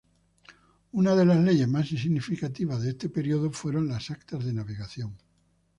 Una de las leyes más significativas de este período fueron las Actas de Navegación.